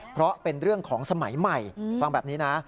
เพราะเป็นเรื่องของสมัยใหม่ฟังแบบนี้นะ